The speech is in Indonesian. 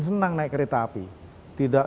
senang naik kereta api tidak